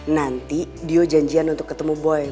nanti dia janjian untuk ketemu boy